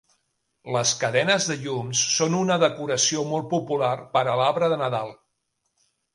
Les cadenes de llums són una decoració molt popular per a l'arbre de Nadal